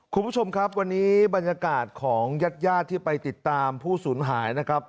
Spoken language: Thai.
คุณผู้ชมครับวันนี้บรรยากาศของญาติญาติที่ไปติดตามผู้สูญหายนะครับ